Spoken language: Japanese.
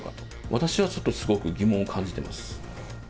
私はちょっと、すごく疑問を感じてます。